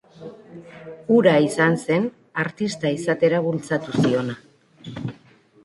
Hura izan zen artista izatera bultzatu ziona.